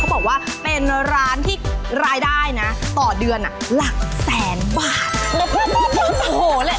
บอกว่าเป็นร้านที่รายได้นะต่อเดือนหลักแสนบาท